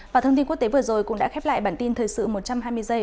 và thông tin quốc tế vừa rồi cũng đã khép lại bản tin thời sự một trăm hai mươi giây